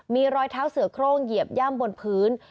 มีรอยเท้าเสือโครงเหยียบย่ำบนพื้น